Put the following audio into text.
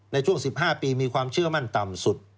ในช่วง๑๕ปีมีความเชื่อมั่นต่ำสุด